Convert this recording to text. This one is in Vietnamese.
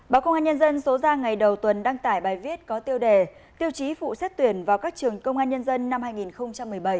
báo công an nhân dân số ra ngày đầu tuần đăng tải bài viết có tiêu đề tiêu chí phụ xét tuyển vào các trường công an nhân dân năm hai nghìn một mươi bảy